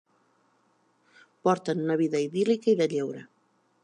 Porten una vida idíl·lica i de lleure.